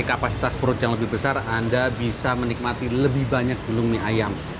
kapasitas perut yang lebih besar anda bisa menikmati lebih banyak gulung mie ayam